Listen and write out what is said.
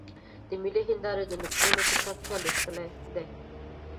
د ملي هېندارې د نکلونو کتاب چا لوستلی دی؟